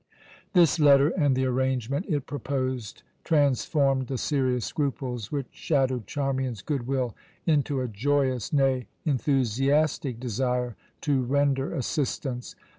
This letter and the arrangement it proposed transformed the serious scruples which shadowed Charmian's good will into a joyous, nay, enthusiastic desire to render assistance.